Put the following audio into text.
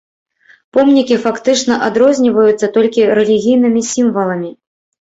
Помнікі фактычна адрозніваюцца толькі рэлігійнымі сімваламі.